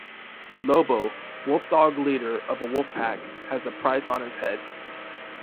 Lobo, wolfdog leader of a wolf pack, has a price on his head.